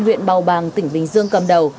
huyện bào bàng tỉnh bình dương cầm đầu